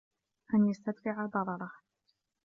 أَنْ يَسْتَدْفِعَ ضَرَرَهُ